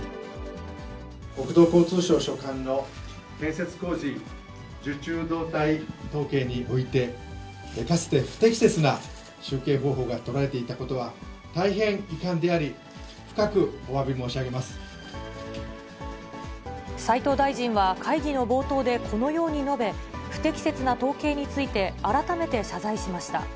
国土交通省所管の建設工事受注動態統計において、かつて不適切な集計方法が取られていたことは、大変遺憾であり、斉藤大臣は、会議の冒頭でこのように述べ、不適切な統計について、改めて謝罪しました。